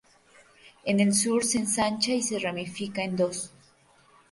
En el sur se ensancha y se ramifica en dos.